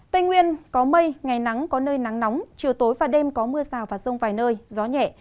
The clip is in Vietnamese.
tây nguyên có mây ngày nắng có nơi nắng nóng chiều tối và đêm có mưa rào và rông vài nơi gió nhẹ